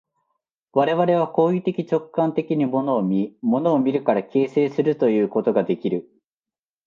我々は行為的直観的に物を見、物を見るから形成するということができる。